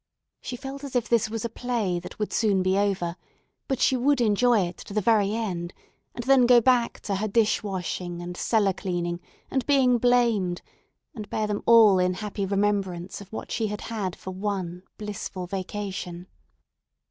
She felt as if this was a play that would soon be over; but she would enjoy it to the very end, and then go back to her dish washing and cellar cleaning, and being blamed, and bear them all in happy remembrance of what she had had for one blissful vacation.